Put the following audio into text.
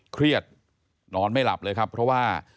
เครียดนอนไม่หลับเลยครับเพราะว่า